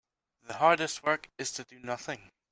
The hardest work is to do nothing.